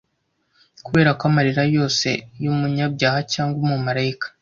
kuberako amarira yose yumunyabyaha cyangwa umumarayika